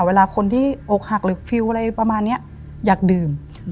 เวลาคนที่อกหักหรือฟิลอะไรประมาณนี้อยากดื่ม